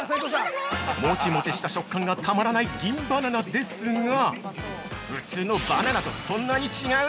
◆もちもちした食感がたまらない銀バナナですが普通のバナナとそんなに違う？